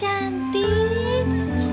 tuh kan cantik banget